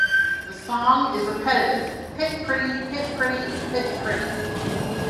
The song is a repetitive "pit-pretty, pit-pretty, pit-pretty".